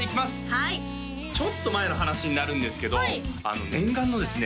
はいちょっと前の話になるんですけど念願のですね